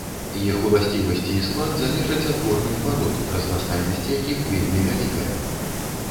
Іх уласцівасці і склад залежаць ад горных парод, разнастайнасць якіх вельмі вялікая.